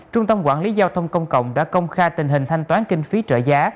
trung tâm quản lý giao thông công cộng đã công khai tình hình thanh toán kinh phí trợ giá